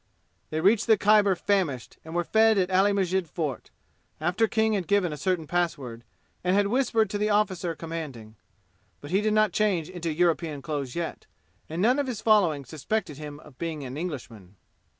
They reached the Khyber famished and were fed at Ali Masjid Fort, after King had given a certain password and had whispered to the officer commanding. But he did not change into European clothes yet, and none of his following suspected him of being an Englishman.